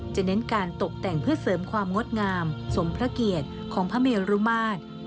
เน้นการตกแต่งเพื่อเสริมความงดงามสมพระเกียรติของพระเมรุมาตร